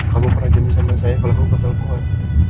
kamu pernah jadi senang saya kalau kamu ketawa kuat